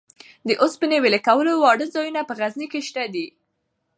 د اوسپنې ویلې کولو واړه ځایونه په غزني کې شته.